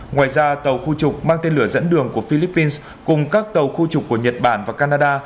ngoài ra tàu khu trục mang tên lửa dẫn đường của philippines cùng các tàu khu trục của nhật bản và canada